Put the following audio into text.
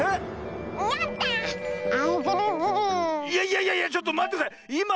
いやいやいやいやちょっとまってください。